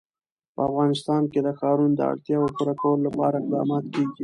په افغانستان کې د ښارونه د اړتیاوو پوره کولو لپاره اقدامات کېږي.